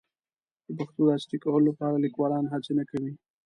د پښتو د عصري کولو لپاره لیکوالان هڅې نه کوي.